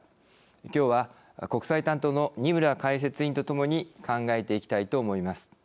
きょうは国際担当の二村解説委員とともに考えていきたいと思います。